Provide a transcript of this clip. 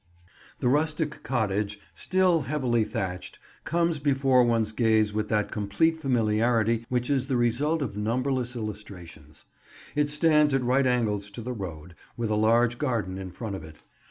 The rustic cottage, still heavily thatched, comes before one's gaze with that complete familiarity which is the result of numberless illustrations. It stands at right angles to the road, with a large garden in front of it.